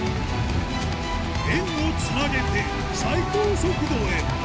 円をつなげて最高速度へ